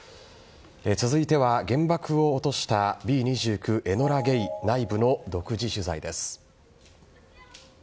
続いては原爆を落としたＢ２９「エノラ・ゲイ」内部の独自取材です。